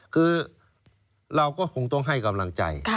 คือเราก็คงต้องให้กำลังใจ